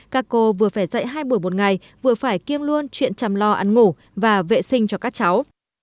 các cô vừa phải dạy hai buổi một ngày vừa phải kiêm luôn chuyện chăm lo ăn ngủ và vệ sinh cho các cháu